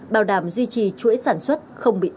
bảo đảm duy trì chuỗi sản xuất không bị đứt gãy